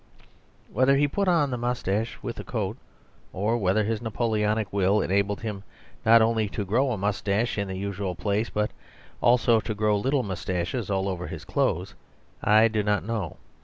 Whether he put on the moustache with the coat or whether his Napoleonic will enabled him not only to grow a moustache in the usual place, but also to grow little moustaches all over his clothes, I do not know.